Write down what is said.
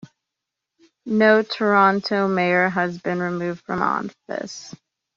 No Toronto mayor has been removed from office.